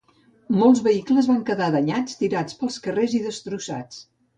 Molts vehicles van quedar danyats, tirats pels carrers i destrossats.